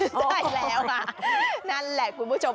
ใช่แล้วค่ะนั่นแหละคุณผู้ชม